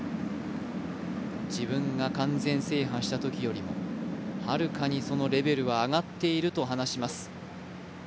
自分が完全制覇したときよりもはるかにそのレベルは上がっていると話します。